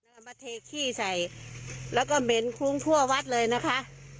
เอามาเทขี้ใส่แล้วก็เหม็นคลุ้งทั่ววัดเลยนะคะ